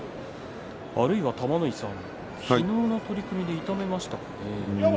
あるいは玉ノ井さん昨日の取組で痛めましたかね？